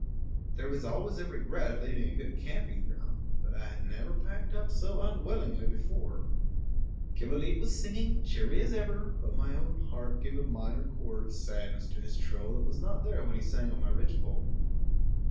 There is always a regret at leaving a good camping ground, but I had never packed up so unwillingly before. Killooleet was singing, cheery as ever; but my own heart gave a minor chord of sadness to his trill that was not there when he sang on my ridgepole.